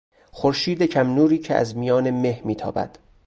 خورشید کم نوری که از میان مه میتابد